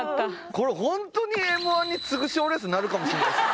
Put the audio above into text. これ本当にＭ−１に次ぐ賞レースになるかもしれないですね。